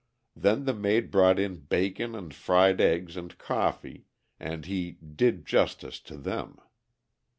Then the maid brought in bacon and fried eggs and coffee, and he "did justice" to them.